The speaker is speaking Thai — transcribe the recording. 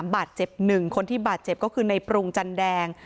บาดเจ็บหนึ่งคนที่บาดเจ็บก็คือในปรุงจันแดง